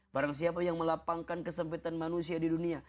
barang siapa yang melapangkan kesempitan manusia di dunia